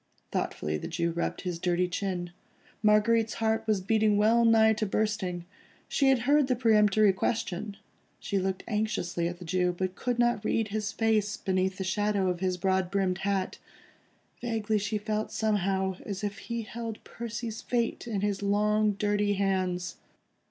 Thoughtfully the Jew rubbed his dirty chin. Marguerite's heart was beating well nigh to bursting. She had heard the peremptory question; she looked anxiously at the Jew, but could not read his face beneath the shadow of his broad brimmed hat. Vaguely she felt somehow as if he held Percy's fate in his long, dirty hands.